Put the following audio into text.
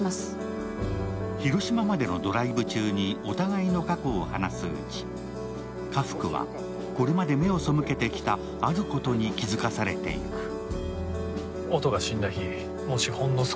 広島までのドライブ中にお互いの過去を話すうち家福はこれまで目を背けてきた、あることに気づかされていく。